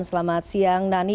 selamat siang nani